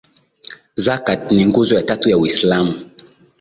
zakat ni nguzo ya tatu ya uislamu